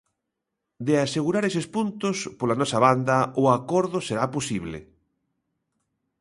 De asegurar eses puntos, pola nosa banda, o acordo será posible.